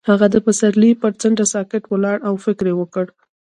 هغه د پسرلی پر څنډه ساکت ولاړ او فکر وکړ.